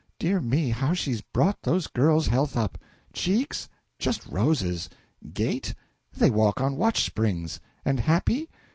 Dear me, how she's brought those girls' health up! Cheeks? just roses. Gait? they walk on watch springs! And happy?